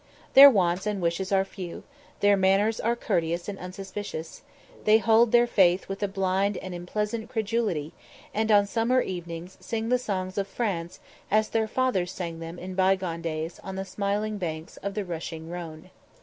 Their wants and wishes are few, their manners are courteous and unsuspicious, they hold their faith with a blind and implicit credulity, and on summer evenings sing the songs of France as their fathers sang them in bygone days on the smiling banks of the rushing Rhone.